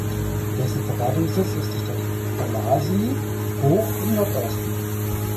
Dessen Verwaltungssitz ist die Stadt Wallasey hoch im Nordosten.